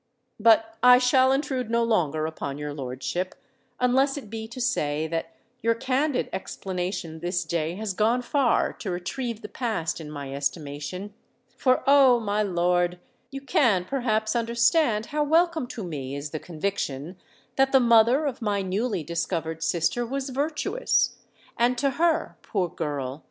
But I shall intrude no longer upon your lordship—unless it be to say that your candid explanation this day has gone far to retrieve the past in my estimation. For, oh! my lord—you can perhaps understand how welcome to me is the conviction that the mother of my newly discovered sister was virtuous:—and to her, poor girl!